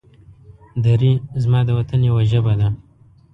دري زما د وطن يوه ژبه ده.